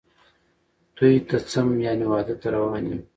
توی ته څم ،یعنی واده ته روان یم